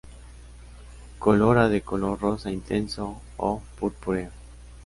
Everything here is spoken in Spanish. Corola de color rosa intenso o purpúreo.